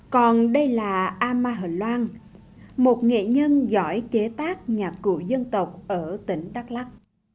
còn đây là ama hờn loan một nghệ nhân giỏi chế tác nhạc cụ dân tộc ở tỉnh đắk lắc